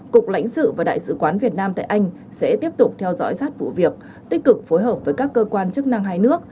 cục lãnh sự và đại sứ quán việt nam tại anh sẽ tiếp tục theo dõi sát vụ việc tích cực phối hợp với các cơ quan chức năng hai nước